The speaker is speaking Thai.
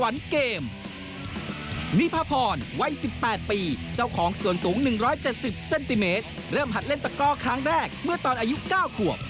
เริ่มหัดเล่นตะกรอครั้งแรกเมื่อตอนอายุ๙ขวบ